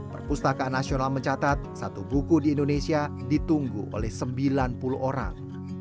perpustakaan nasional mencatat satu buku di indonesia ditunggu oleh sembilan puluh orang